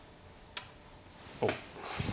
おっ。